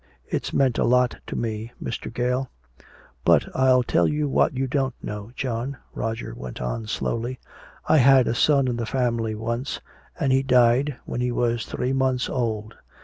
It's meant a lot to me, Mr. Gale " "But I'll tell you what you don't know, John," Roger went on slowly. "I had a son in the family once, and he died when he was three months old.